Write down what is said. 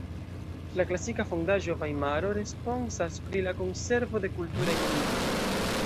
La klasika fondaĵo Vajmaro responsas pri la konservo de kulturaj monumentoj.